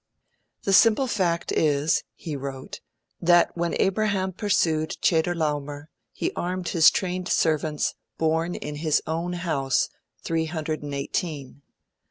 'The simple fact is,' he wrote, 'that when Abraham pursued Chedorlaomer "he armed his trained servants, BORN IN HIS OWN HOUSE, three hundred and eighteen".